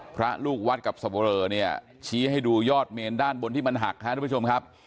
พระลูกวัดกับสวรอเนี่ยชี้ให้ดูยอดเมนด้านบนที่มันหักครับทุกผู้ชมครับ